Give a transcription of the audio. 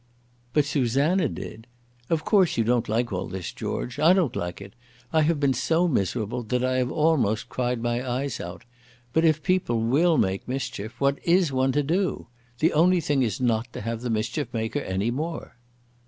"But Susanna did. Of course you don't like all this, George. I don't like it. I have been so miserable that I have almost cried my eyes out. But if people will make mischief, what is one to do? The only thing is not to have the mischief maker any more."